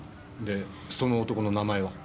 でその男の名前は？